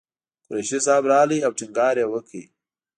قریشي صاحب راغی او ټینګار یې وکړ.